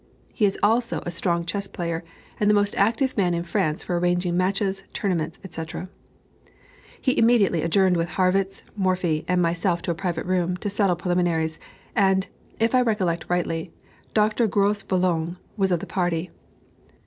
He is also a strong chess player, and the most active man in France for arranging matches, tournaments, &c. He immediately adjourned with Harrwitz, Morphy, and myself to a private room, to settle preliminaries, and, if I recollect rightly, Dr. Grosboulogne was of the party.